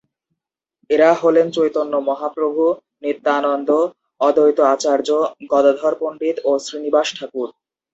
এরা হলেন চৈতন্য মহাপ্রভু, নিত্যানন্দ, অদ্বৈত আচার্য, গদাধর পণ্ডিত ও শ্রীনিবাস ঠাকুর।